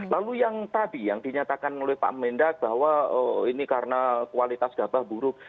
lalu yang tadi yang dinyatakan oleh pak mendak bahwa ini karena kualitas gabah buruk